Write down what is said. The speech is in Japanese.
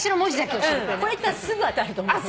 これ言ったらすぐ当たると思う。